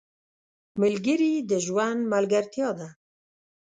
ملګري د ژوند ملګرتیا ده.